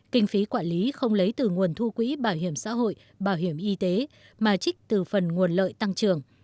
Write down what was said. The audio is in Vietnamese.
kinh phí quản lý không lấy từ nguồn thu quỹ bảo hiểm xã hội bảo hiểm y tế mà trích từ phần nguồn lợi tăng trưởng